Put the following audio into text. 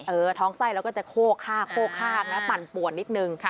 เออท้องไส้เราก็จะโค้กฆากแล้วปั่นปวดนิดหนึ่ง